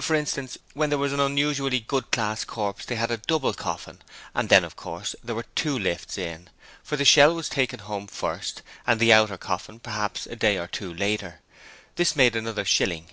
For instance, when there was an unusually good class corpse they had a double coffin and then of course there were two 'lifts in', for the shell was taken home first and the outer coffin perhaps a day or two later: this made another shilling.